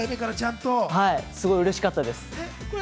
すごいうれしかったです。